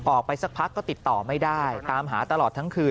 ออกไปสักพักก็ติดต่อไม่ได้ตามหาตลอดทั้งคืน